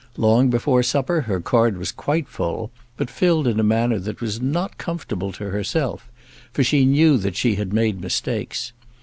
Long before supper her card was quite full, but filled in a manner that was not comfortable to herself, for she knew that she had made mistakes.